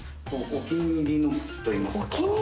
お気に入りの靴といいますか。